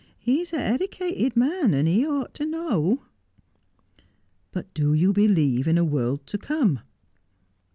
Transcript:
' He's a heddicated man, and he ought to know.' ' But do you believe in a world to come